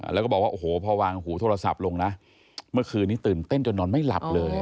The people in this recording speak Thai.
แล้วก็บอกว่าโอ้โหพอวางหูโทรศัพท์ลงนะเมื่อคืนนี้ตื่นเต้นจนนอนไม่หลับเลย